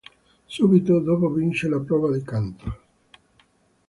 Subito dopo vince la prova di canto.